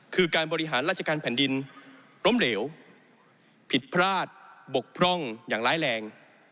คือการบริหารราชการแผ่นดินล้มเหลวผิดพลาดบกพร่องอย่างร้ายแรง